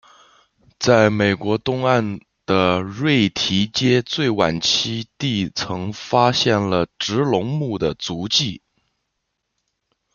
在美国东岸的瑞提阶最晚期地层发现了植龙目的足迹。